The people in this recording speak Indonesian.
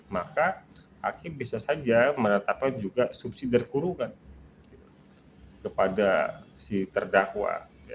maka hakim bisa saja menetapkan juga subsidi kurungan kepada si terdakwa